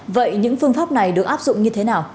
vậy những phương pháp này được áp dụng như thế nào